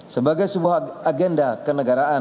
sebagai sebuah agenda kenegaraan